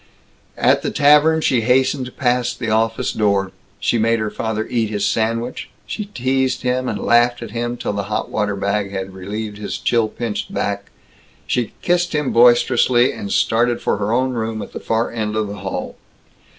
At the Tavern she hastened past the office door. She made her father eat his sandwich; she teased him and laughed at him till the hot water bag had relieved his chill pinched back; she kissed him boisterously, and started for her own room, at the far end of the hall.